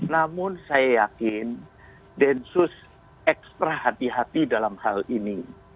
namun saya yakin densus ekstra hati hati dalam hal ini